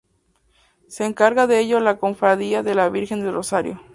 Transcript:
Se encarga de ello la cofradía de la Virgen del Rosario.